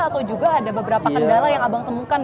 atau juga ada beberapa kendala yang abang temukan